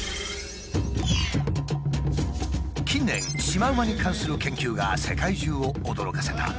近年シマウマに関する研究が世界中を驚かせた。